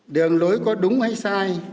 đường lối có đúng hay sai